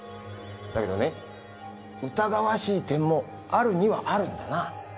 だけどね疑わしい点もあるにはあるんだな。